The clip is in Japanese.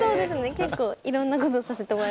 結構いろんなことをさせてもらいました。